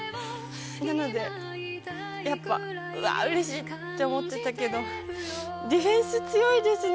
なので、やっぱ、うわー、うれしいって思ってたけど、ディフェンス強いですね。